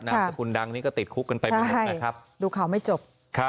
สกุลดังนี้ก็ติดคุกกันไปหมดนะครับดูข่าวไม่จบ